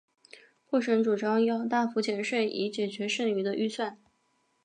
布什主张要大幅减税以解决剩余的预算。